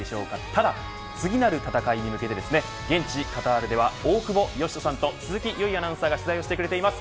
ただ、次なる戦いに向けて現地カタールでは大久保嘉人さんと鈴木唯アナウンサーが取材してくれています。